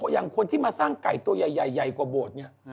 อย่างคนที่มาสร้างไก่ตัวใหญ่กว่าโบสถ์เนี่ย